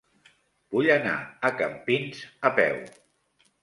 Vull anar a Campins a peu.